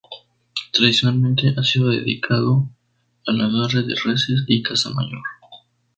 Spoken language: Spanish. Tradicionalmente ha sido dedicado al agarre de reses y caza mayor.